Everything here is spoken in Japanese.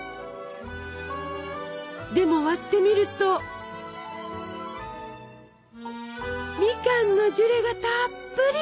でも割ってみるとミカンのジュレがたっぷり！